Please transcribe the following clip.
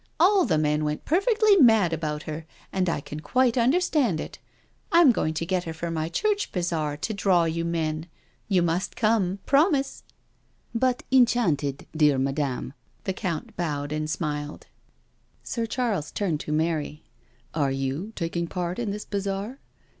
All the men went perfectly mad about her, and I can quite understand it. I am going to get her for my church bazaar to draw you men — ^you must come — promise." " But enchanted, dear Madame "—the Count bowed and smiled. Sir Charles turned to Mary: "Are you taking part in this bazaar?"